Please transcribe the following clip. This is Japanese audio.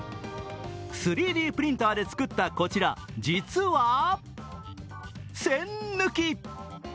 ３Ｄプリンターで作ったこちら、実は栓抜き。